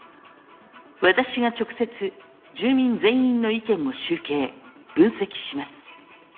私が直接住民全員の意見を集計分析します。